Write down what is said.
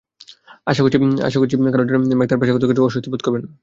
আশা করছি কারও জন্যই ম্যাক তাঁর পেশাগত ক্ষেত্রে অস্বস্তি বোধ করবেন না।